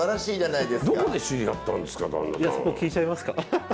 そこ聞いちゃいますか。